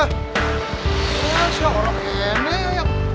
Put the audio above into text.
masya allah gini aja